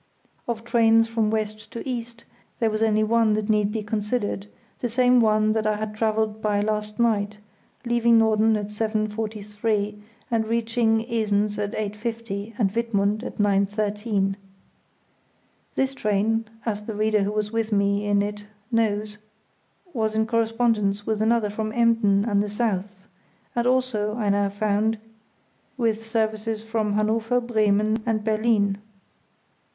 Of trains from west to east there was only one that need be considered, the same one that I had travelled by last night, leaving Norden at 7.43 and reaching Esens at 8.50, and Wittmund at 9.13. This train, as the reader who was with me in it knows, was in correspondence with another from Emden and the south, and also, I now found, with services from Hanover, Bremen, and Berlin.